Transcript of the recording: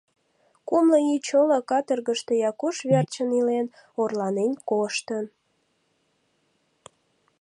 Кумло ий чоло каторгышто Якуш верчын илен, орланен коштын.